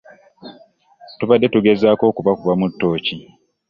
Tubadde tugezaako kubakubamu ttooki.